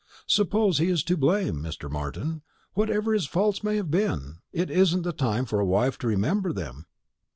Suppose he is to blame, Mr. Martin; whatever his faults may have been, it isn't the time for a wife to remember them."